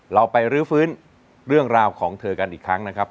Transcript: เราไปรื้อฟื้นเรื่องราวของเธอกันอีกครั้งนะครับ